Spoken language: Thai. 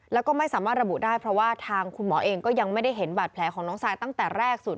แล้วก็ไม่สามารถระบุได้เพราะว่าทางคุณหมอเองก็ยังไม่ได้เห็นบาดแผลของน้องซายตั้งแต่แรกสุด